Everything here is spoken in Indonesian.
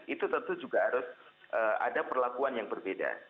itu tentu juga harus ada perlakuan yang berbeda